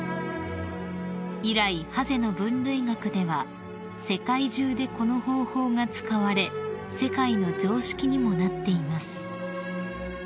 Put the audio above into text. ［以来ハゼの分類学では世界中でこの方法が使われ世界の常識にもなっています］